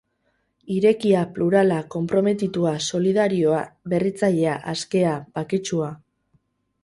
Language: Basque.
Irekia, plurala, konprometitua, solidarioa, berritzailea, askea, baketsua.